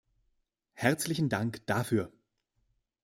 Herzlichen Dank dafür!